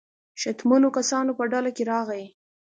شتمنو کسانو په ډله کې راغی.